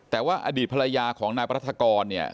แต่ว่าอดีตภรรยาของนายรัฐกรเนี่ย